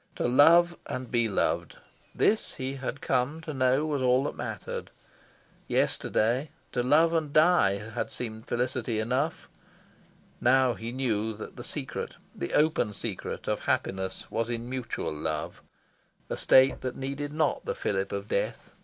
To love and be loved this, he had come to know, was all that mattered. Yesterday, to love and die had seemed felicity enough. Now he knew that the secret, the open secret, of happiness was in mutual love a state that needed not the fillip of death.